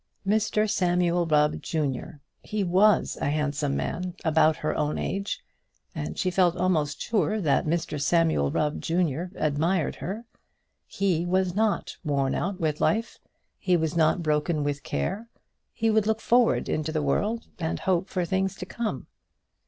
Mr Samuel Rubb, junior, was a handsome man, about her own age; and she felt almost sure that Mr Samuel Rubb, junior, admired her. He was not worn out with life; he was not broken with care; he would look forward into the world, and hope for things to come.